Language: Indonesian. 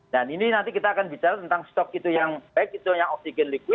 ini nanti kita akan bicara tentang stok itu yang baik itu yang oksigen liqui